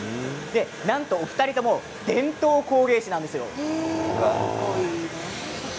なんとお二人とも伝統工芸士なんですよ。